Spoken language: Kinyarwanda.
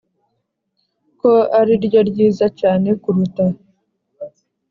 Ko ari ryo ryiza cyane kuruta